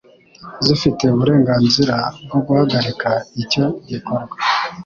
zifite uburenganzira bwo guhagarika icyo gikorwa